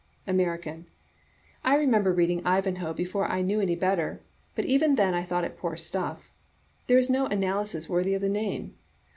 American, —" I remember reading 'I vanhoe' before I knew any better, but even then I thought it poor stuff. There is no analysis worthy of the name.